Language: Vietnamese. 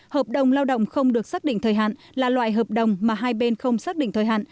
hợp đồng lao động không được xác định thời hạn là loại hợp đồng mà hai bên không xác định thời hạn